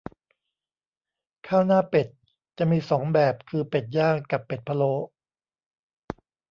ข้าวหน้าเป็ด จะมีสองแบบคือเป็ดย่าง กับเป็ดพะโล้